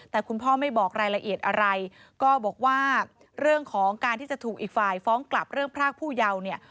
แต่คุณพ่อไม่บอกรายละเอียดอะไรก็บอกว่าเรื่องของการที่จะถูกอีกฝ่ายฟ้องกลับเรื่องพรากผู้เยาว์เนี่ย